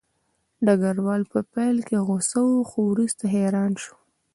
ډګروال په پیل کې غوسه و خو وروسته حیران شو